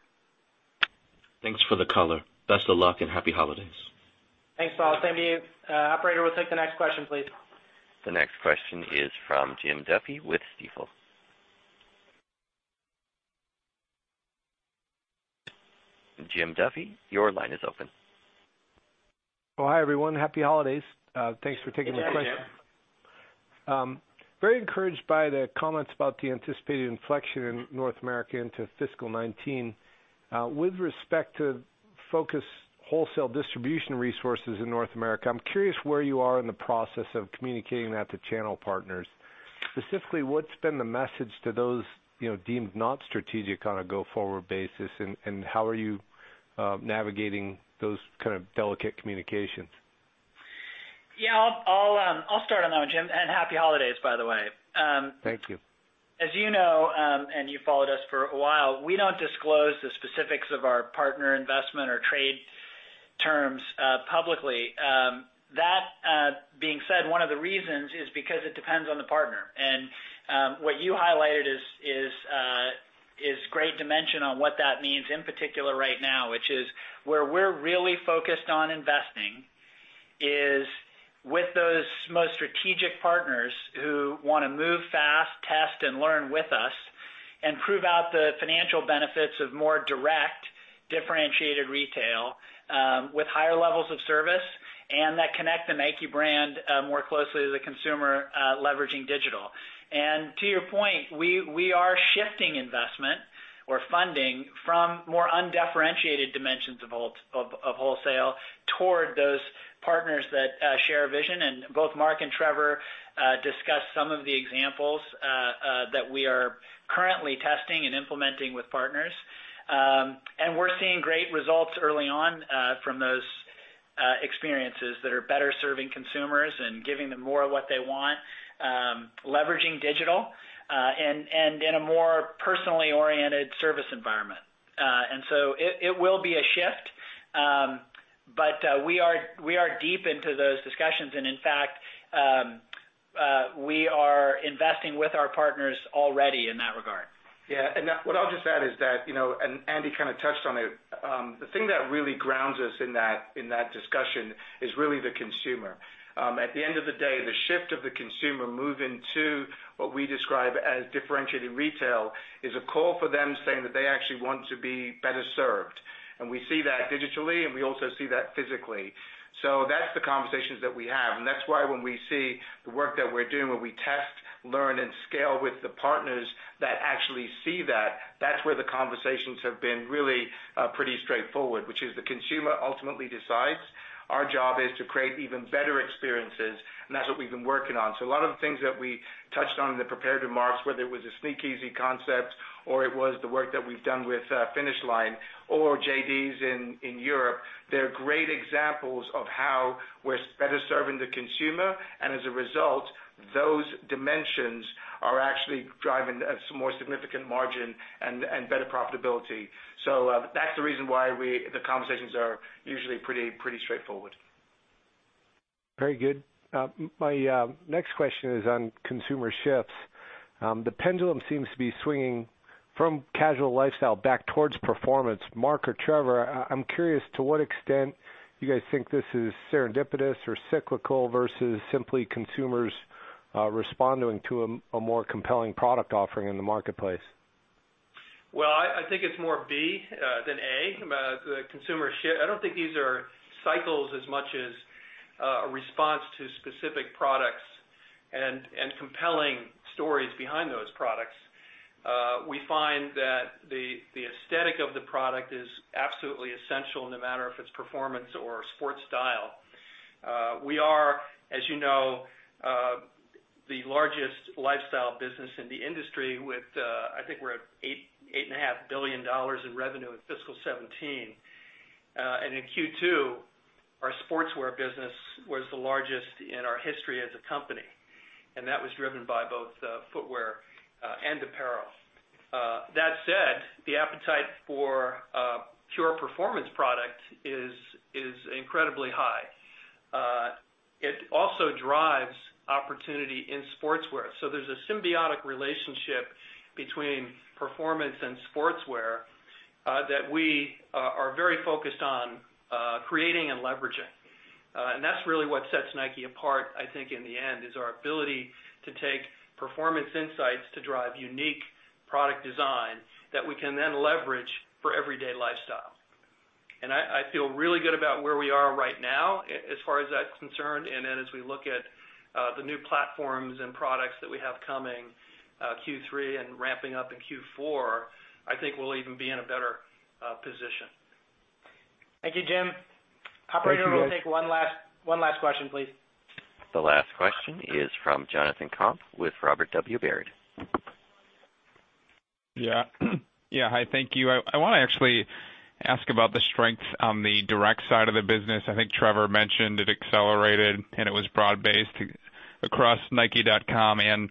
Thanks for the color. Best of luck, and happy holidays. Thanks, Paul. Same to you. operator, we'll take the next question, please. The next question is from Jim Duffy with Stifel. Jim Duffy, your line is open. Oh, hi, everyone. Happy holidays. thanks for taking the question. Yeah, Jim. Very encouraged by the comments about the anticipated inflection in North America into fiscal 2019. With respect to focus wholesale distribution resources in North America, I'm curious where you are in the process of communicating that to channel partners. Specifically, what's been the message to those, you know, deemed not strategic on a go-forward basis, and how are you navigating those kind of delicate communications? Yeah, I'll start on that one, Jim, and Happy Holidays, by the way. Thank you. As you know, you followed us for a while, we don't disclose the specifics of our partner investment or trade terms publicly. That being said, one of the reasons is because it depends on the partner. What you highlighted is great dimension on what that means in particular right now, which is where we're really focused on investing With those most strategic partners who want to move fast, test, and learn with us and prove out the financial benefits of more direct differentiated retail with higher levels of service and that connect the Nike brand more closely to the consumer leveraging digital. To your point, we are shifting investment or funding from more undifferentiated dimensions of wholesale toward those partners that share a vision. Both Mark and Trevor discussed some of the examples that we are currently testing and implementing with partners. We're seeing great results early on from those experiences that are better serving consumers and giving them more of what they want, leveraging digital, and in a more personally oriented service environment. It will be a shift. We are, we are deep into those discussions, and in fact, we are investing with our partners already in that regard. Yeah. What I'll just add is that, you know, Andy kind of touched on it, the thing that really grounds us in that, in that discussion is really the consumer. At the end of the day, the shift of the consumer moving to what we describe as differentiated retail is a call for them saying that they actually want to be better served. We see that digitally, and we also see that physically. That's the conversations that we have. That's why when we see the work that we're doing, where we test, learn, and scale with the partners that actually see that's where the conversations have been really pretty straightforward, which is the consumer ultimately decides. Our job is to create even better experiences, and that's what we've been working on. A lot of the things that we touched on in the prepared remarks, whether it was a Sneakeasy concept or it was the work that we've done with Finish Line or JDs in Europe, they're great examples of how we're better serving the consumer. As a result, those dimensions are actually driving some more significant margin and better profitability. That's the reason why the conversations are usually pretty straightforward. Very good. My next question is on consumer shifts. The pendulum seems to be swinging from casual lifestyle back towards performance. Mark or Trevor, I am curious to what extent you guys think this is serendipitous or cyclical versus simply consumers responding to a more compelling product offering in the marketplace. I think it's more B than A. The consumer shift. I don't think these are cycles as much as a response to specific products and compelling stories behind those products. We find that the aesthetic of the product is absolutely essential, no matter if it's performance or sports style. We are, as you know, the largest lifestyle business in the industry with, I think we're at $8 billion-$8.5 billion in revenue in fiscal 2017. And in Q2, our sportswear business was the largest in our history as a company, and that was driven by both footwear and apparel. That said, the appetite for pure performance product is incredibly high. It also drives opportunity in sportswear. There's a symbiotic relationship between performance and sportswear that we are very focused on creating and leveraging. That's really what sets Nike apart, I think, in the end, is our ability to take performance insights to drive unique product design that we can then leverage for everyday lifestyle. I feel really good about where we are right now as far as that's concerned. Then as we look at the new platforms and products that we have coming, Q3 and ramping up in Q4, I think we'll even be in a better position. Thank you, Jim. Thank you, guys. Operator, we'll take one last question, please. The last question is from Jonathan Komp with Robert W. Baird. Yeah. Hi, thank you. I wanna actually ask about the strengths on the direct side of the business. I think Trevor mentioned it accelerated, it was broad-based across nike.com and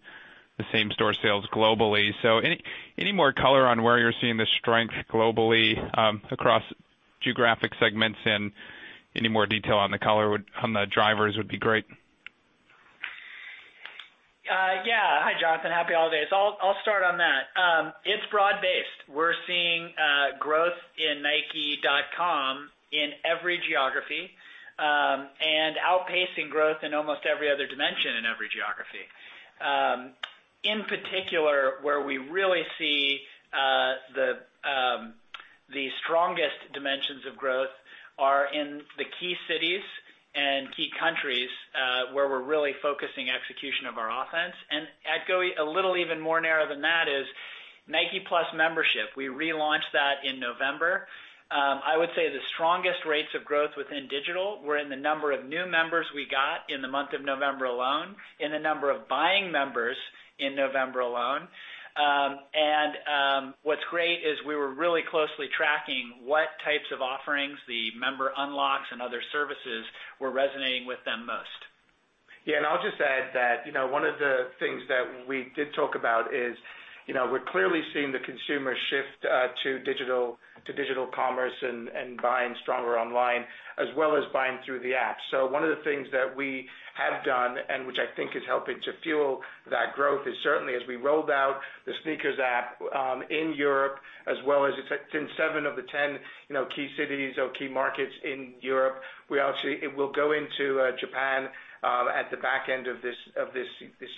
the same store sales globally. Any more color on where you're seeing the strength globally, across geographic segments and any more detail on the color on the drivers would be great. Yeah. Hi, Jonathan. Happy holidays. I'll start on that. It's broad based. We're seeing growth in nike.com in every geography, and outpacing growth in almost every other dimension in every geography. In particular, where we really see the strongest dimensions of growth are in the key cities and key countries, where we're really focusing execution of our offense. Going a little even more narrow than that is Nike+ membership. We relaunched that in November. I would say the strongest rates of growth within digital were in the number of new members we got in the month of November alone, in the number of buying members in November alone. What's great is we were really closely tracking what types of offerings the Member Unlocks and other services were resonating with them most. I'll just add that, you know, one of the things that we did talk about is, you know, we're clearly seeing the consumer shift to digital commerce and buying stronger online, as well as buying through the app. One of the things that we have done, and which I think is helping to fuel that growth, is certainly as we rolled out the SNKRS app in Europe as well as it's in seven of the 10, you know, key cities or key markets in Europe. It will go into Japan at the back end of this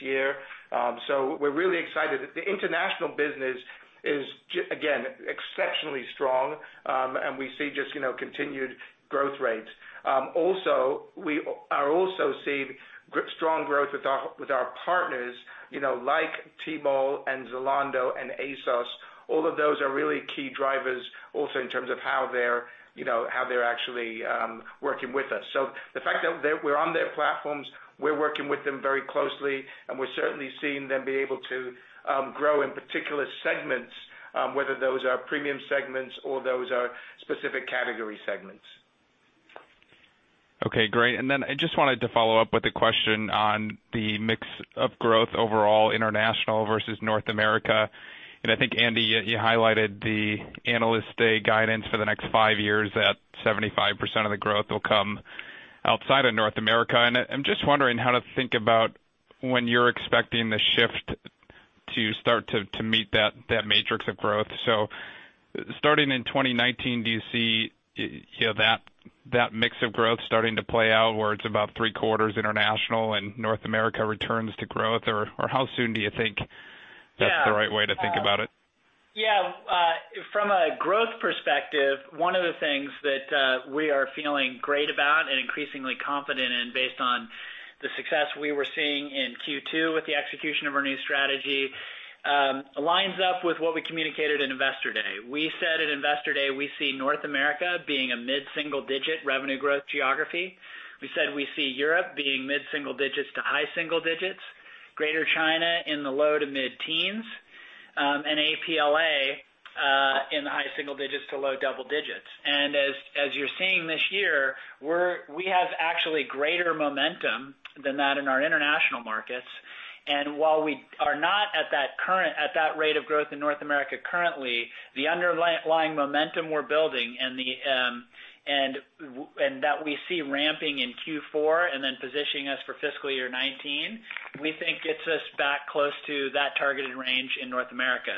year. We're really excited. The international business is again, exceptionally strong, and we see just, you know, continued growth rates. Also we are also seeing strong growth with our, with our partners, you know, like Tmall and Zalando and ASOS. All of those are really key drivers also in terms of how they're, you know, how they're actually working with us. The fact that we're on their platforms, we're working with them very closely, and we're certainly seeing them be able to grow in particular segments, whether those are premium segments or those are specific category segments. Okay, great. I just wanted to follow up with a question on the mix of growth overall international versus North America. I think, Andy, you highlighted the Analyst Day guidance for the next five years that 75% of the growth will come outside of North America. I'm just wondering how to think about when you're expecting the shift to start to meet that matrix of growth. Starting in 2019, do you see, you know, that mix of growth starting to play out, where it's about three quarters international and North America returns to growth? How soon do you think that's the right way to think about it? From a growth perspective, one of the things that we are feeling great about and increasingly confident in based on the success we were seeing in Q2 with the execution of our new strategy, aligns up with what we communicated at Investor Day. We said at Investor Day, we see North America being a mid-single digit revenue growth geography. We said we see Europe being mid-single digits to high single digits, Greater China in the low to mid-teens, and APLA in the high single digits to low double digits. As, as you're seeing this year, we have actually greater momentum than that in our international markets. While we are not at that rate of growth in North America currently, the underlying momentum we're building and that we see ramping in Q4 and then positioning us for fiscal year 2019, we think gets us back close to that targeted range in North America.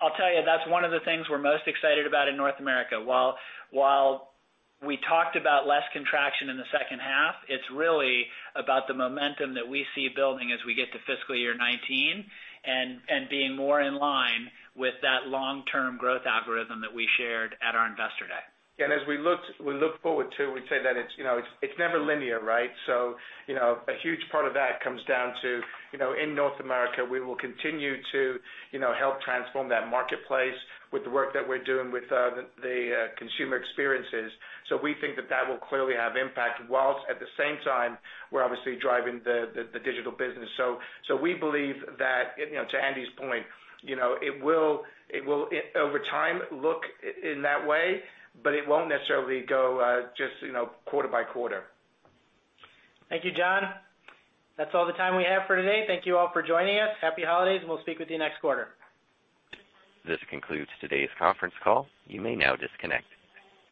I'll tell you, that's one of the things we're most excited about in North America. While we talked about less contraction in the second half, it's really about the momentum that we see building as we get to fiscal year 2019 and being more in line with that long-term growth algorithm that we shared at our Investor Day. As we look forward to, we say that it's, you know, it's never linear, right? A huge part of that comes down to, you know, in North America, we will continue to, you know, help transform that marketplace with the work that we're doing with the consumer experiences. We think that that will clearly have impact, whilst at the same time, we're obviously driving the digital business. We believe that, you know, to Andy's point, you know, it will over time look in that way, but it won't necessarily go, just, you know, quarter by quarter. Thank you, John. That's all the time we have for today. Thank you all for joining us. Happy holidays, and we'll speak with you next quarter. This concludes today's conference call. You may now disconnect.